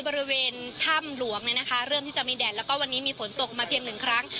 บริเวณถ้ำหลวงเริ่มที่จะมีแดดแล้วก็วันนี้มีฝนตกมาเพียงหนึ่งครั้ง